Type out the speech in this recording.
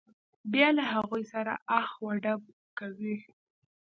بیا له هغوی سره اخ و ډب کوي.